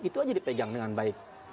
itu aja dipegang dengan baik